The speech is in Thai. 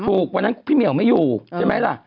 วันนั้นพี่เหมียวไม่อยู่ใช่ไหมล่ะ